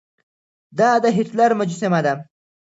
دا د هېټلر مجسمه ده.